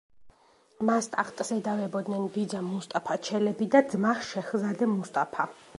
მას ტახტს ედავებოდნენ ბიძა, მუსტაფა ჩელები და ძმა, შეჰზადე მუსტაფა.